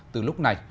từ lúc này